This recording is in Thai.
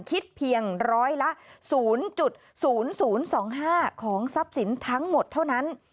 คิดเพียงร้อยละ๐๐๒๕ของทรัพย์สินทั้งหมดเท่านั้น